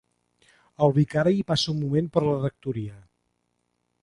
El vicari passa un moment per la rectoria.